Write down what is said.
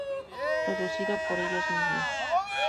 Producido por ellos mismos.